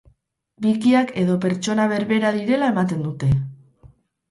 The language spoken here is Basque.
Bikiak edo pertsona berbera direla ematen dute.